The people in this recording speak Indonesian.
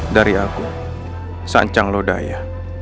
dari aku sancang lodaya